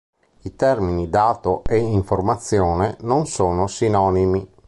I termini "dato" e "informazione" non sono sinonimi.